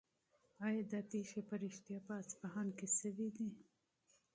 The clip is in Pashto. آیا دا پېښې په رښتیا په اصفهان کې شوې دي؟